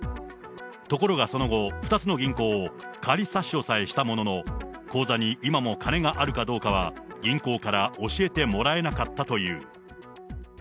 ところがその後、２つの銀行を仮差し押さえしたものの、口座に今も金があるかどうかは、銀行から教えてもらえなかったという。